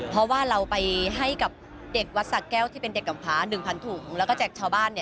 เพราะว่าเราไปให้กับเด็กวัดสะแก้วที่เป็นเด็กกำพา๑๐๐ถุงแล้วก็แจกชาวบ้าน